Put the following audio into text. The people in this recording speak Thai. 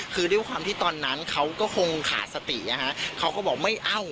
คือด้วยความที่ตอนนั้นเขาก็คงขาดสตินะฮะเขาก็บอกไม่เอา